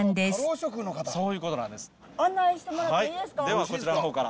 ではこちらの方から。